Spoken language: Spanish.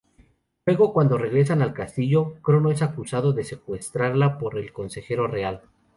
Luego, cuando regresan al castillo, Crono es acusado de secuestrarla por el Consejero Real.